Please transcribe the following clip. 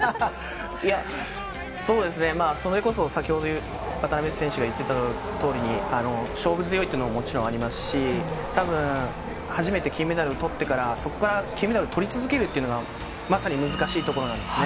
それこそ先ほど渡辺選手が言ってたとおりに、勝負強いというのももちろんありますし、たぶん初めて金メダルをとってから、そこから金メダルとり続けるというのがまさに難しいところなんですね。